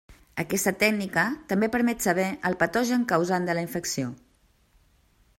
Aquesta tècnica també permet saber el patogen causant de la infecció.